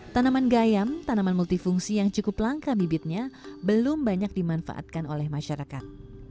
tanaman gayam tanaman multifungsi yang cukup langka bibitnya belum banyak dimanfaatkan oleh masyarakat